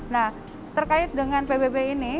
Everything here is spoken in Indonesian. nah terkait dengan pbb ini